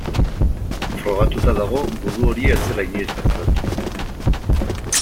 Frogatuta dago gudu hori ez zela inoiz gertatu.